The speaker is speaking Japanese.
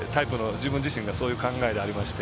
自分自身がそういう考えでありまして